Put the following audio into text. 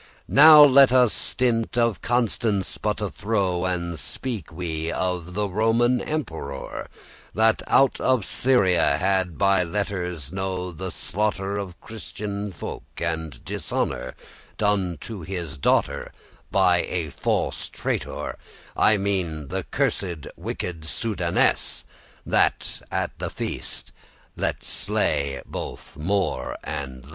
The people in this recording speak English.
Now let us stint* of Constance but a throw, *cease speaking And speak we of the Roman emperor, short time That out of Syria had by letters know The slaughter of Christian folk, and dishonor Done to his daughter by a false traitor, I mean the cursed wicked Soudaness, That at the feast *let slay both more and less.